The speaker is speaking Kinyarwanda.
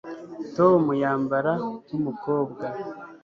tom yambara nkumukobwa